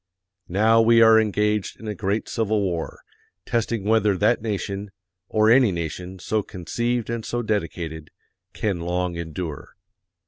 Now we are engaged in a great civil war, testing whether that nation or any nation so conceived and so dedicated can long endure.